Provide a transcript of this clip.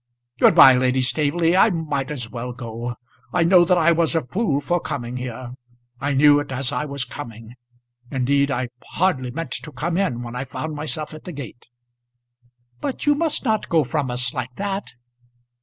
Good bye, Lady Staveley. I might as well go. I know that I was a fool for coming here. I knew it as I was coming. Indeed I hardly meant to come in when I found myself at the gate." "But you must not go from us like that."